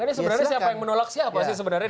ini sebenarnya siapa yang menolak siapa sih sebenarnya